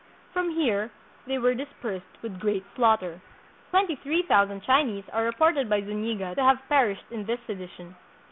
From here they were dis persed with great slaughter. Twenty three thousand Chinese are reported by Zuniga to have perished in this sedition.